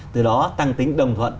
từ đó tăng tính đồng thuận